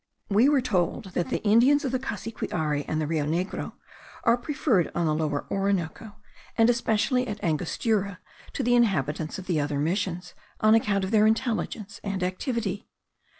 We were told that the Indians of the Cassiquiare and the Rio Negro are preferred on the Lower Orinoco, and especially at Angostura, to the inhabitants of the other missions, on account of their intelligence and activity.